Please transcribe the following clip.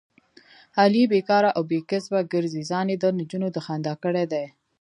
علي بیکاره او بې کسبه ګرځي، ځان یې دنجونو د خندا کړی دی.